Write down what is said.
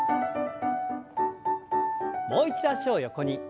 もう一度脚を横に。